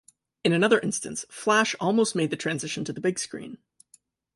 In another instance, Flash almost made the transition to the big screen.